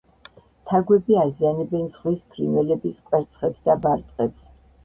თაგვები აზიანებენ ზღვის ფრინველების კვერცხებს და ბარტყებს.